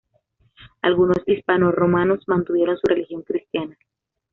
Algunos hispanorromanos mantuvieron su religión cristiana.